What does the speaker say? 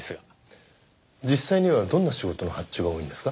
実際にはどんな仕事の発注が多いんですか？